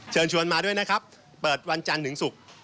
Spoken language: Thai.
เชิญชวนมาด้วยนะครับเปิดวันจันทร์ถึงศุกร์